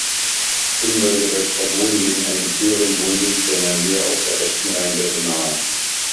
Hinweise bei Strabon legen einen früheren Wohnsitz der Nervier auf der rechten Rheinseite nahe.